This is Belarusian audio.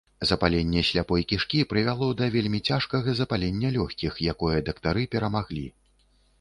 Запаленне сляпой кішкі прывяло да вельмі цяжкага запалення лёгкіх, якое дактары перамаглі.